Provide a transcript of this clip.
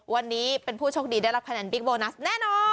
วันนี้เป็นผู้โชคดีได้รับคะแนนบิ๊กโบนัสแน่นอน